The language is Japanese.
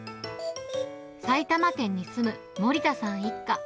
埼玉県に住む森田さん一家。